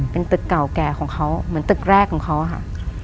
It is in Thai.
เป็นตึกเก่าแก่ของเขาเหมือนตึกแรกของเขาอะค่ะ